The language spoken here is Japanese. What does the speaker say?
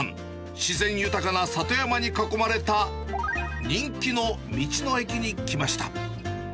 自然豊かな里山に囲まれた、人気の道の駅に来ました。